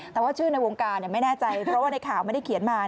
แต่ว่าชื่อในวงการไม่แน่ใจเพราะว่าในข่าวไม่ได้เขียนมา